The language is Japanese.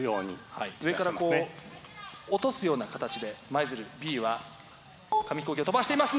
上から落とすような形で舞鶴Ｂは紙ヒコーキを飛ばしています。